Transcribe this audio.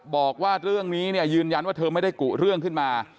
บอกว่าเรื่องนี้เนี่ยยืนยันว่าเธอไม่ได้กุเรื่องขึ้นมา